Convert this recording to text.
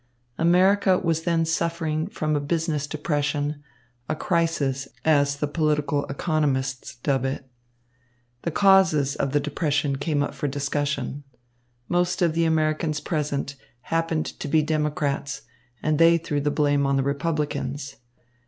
America was then suffering from a business depression, a crisis, as the political economists dub it. The causes of the depression came up for discussion. Most of the Americans present happened to be Democrats, and they threw the blame on the Republicans.